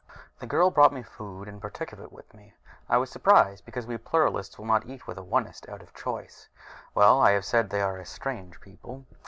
The girl brought food and partook of it with me. I was surprised, because we Pluralists will not eat with an Onist out of choice. Well, I have said they are a strange people.